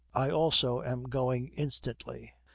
'I also am going instantly.'